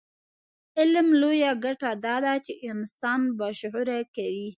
علم لویه ګټه دا ده چې انسان باشعوره کوي.